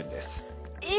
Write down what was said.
え